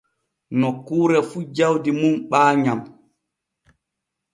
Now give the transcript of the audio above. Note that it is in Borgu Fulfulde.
Nokkuure fu jawdi mum ɓaayam.